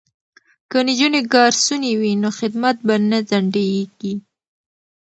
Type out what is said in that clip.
که نجونې ګارسونې وي نو خدمت به نه ځنډیږي.